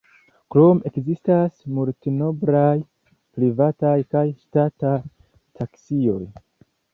Krome ekzistas multnombraj privataj kaj ŝtataj taksioj.